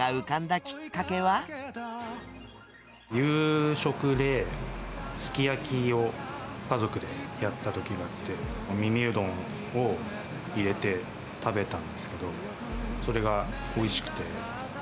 夕食で、すき焼きを家族でやったときがあって、耳うどんを入れて食べたんですけど、それがおいしくて。